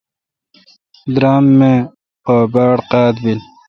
درم اے° پہ باڑ قاد بل۔